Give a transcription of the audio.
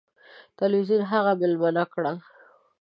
تلویزیون هغه میلمنه کړه.